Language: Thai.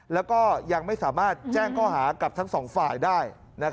แล้วก็ยังไม่สามารถแจ้งข้อหากับทั้งสองฝ่ายได้